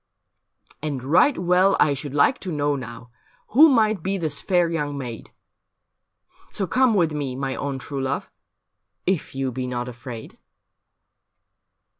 ' And right well I should like to know, now, Who might be this fair young maid. So come with me, my own true love. If you be not afraid.'